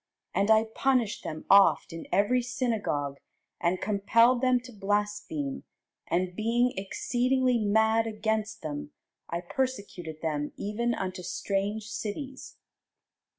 And I punished them oft in every synagogue, and compelled them to blaspheme; and being exceedingly mad against them, I persecuted them even unto strange cities.